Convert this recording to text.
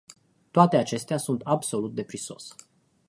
Toate acestea sunt absolut de prisos.